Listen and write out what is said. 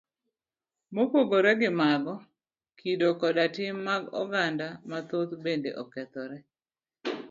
Mopogore gi mago, kido koda tim mag oganda mathoth bende okethore.